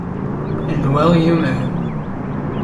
And well you may.